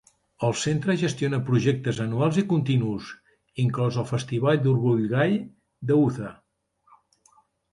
El centre gestiona projectes anuals i continus, inclòs el Festival de l'Orgull Gai de Utah.